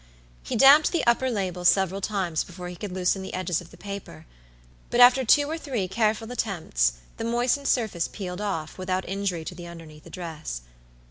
He damped the upper label several times before he could loosen the edges of the paper; but after two or three careful attempts the moistened surface peeled off, without injury to the underneath address.